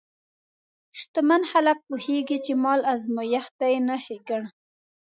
شتمن خلک پوهېږي چې مال ازمېښت دی، نه ښېګڼه.